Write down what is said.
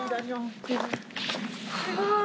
すごい。